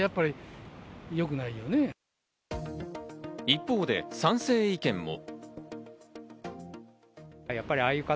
一方で賛成意見も。